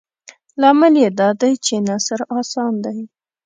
لامل یې دادی چې نثر اسان دی.